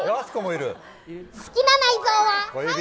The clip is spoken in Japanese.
好きな内臓は肺！